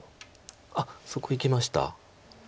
あっそこいきました。